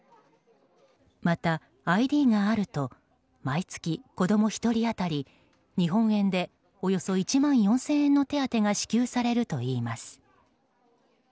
また、ＩＤがあると毎月、子供１人当たり日本円でおよそ１万４０００円の手当が支給されるといいます。